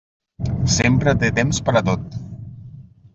Sempre té temps per a tot.